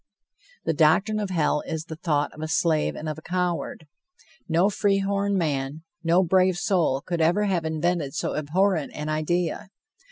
The doctrine of hell is the thought of a slave and of a coward. No free horn man, no brave soul could ever have invented so abhorrent an idea.